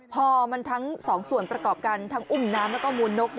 พอมันทั้งสองส่วนประกอบกันทั้งอุ้มน้ำแล้วก็มูลนก